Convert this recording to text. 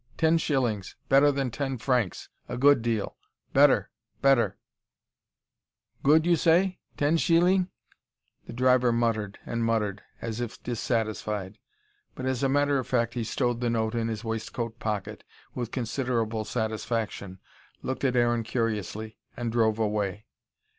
Ten shillings. Better than ten francs, a good deal. Better better " "Good you say? Ten sheeling " The driver muttered and muttered, as if dissatisfied. But as a matter of fact he stowed the note in his waistcoat pocket with considerable satisfaction, looked at Aaron curiously, and drove away.